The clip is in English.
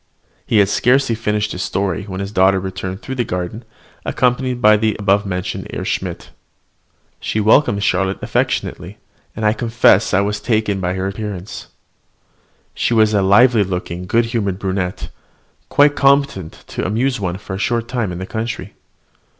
He had scarcely finished his story when his daughter returned through the garden, accompanied by the above mentioned Herr Schmidt. She welcomed Charlotte affectionately, and I confess I was much taken with her appearance. She was a lively looking, good humoured brunette, quite competent to amuse one for a short time in the country.